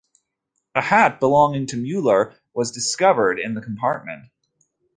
A hat belonging to Muller was discovered in the compartment.